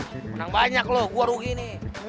menang banyak loh gue rugi nih